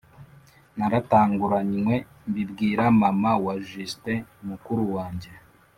naratanguranwe mbibwira mama na justin(mukuru wanjye)